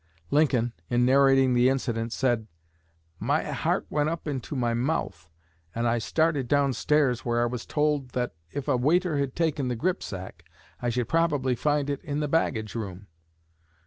Lincoln, in narrating the incident, said: "My heart went up into my mouth, and I started downstairs, where I was told that if a waiter had taken the gripsack I should probably find it in the baggage room.